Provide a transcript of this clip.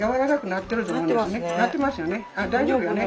なってますよね。